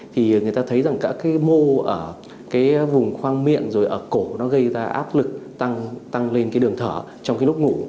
thì người ta thấy rằng các cái mô ở cái vùng khoang miệng rồi ở cổ nó gây ra áp lực tăng lên cái đường thở trong cái lúc ngủ